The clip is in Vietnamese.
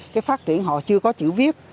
cái phát triển họ chưa có chữ viết